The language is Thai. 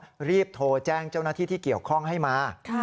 ก็รีบโทรแจ้งเจ้าหน้าที่ที่เกี่ยวข้องให้มา